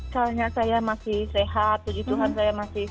soalnya saya masih sehat puji tuhan saya masih sehat